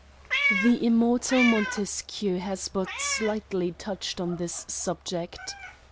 The immortal Montesquieu has but slightly touched on this subject.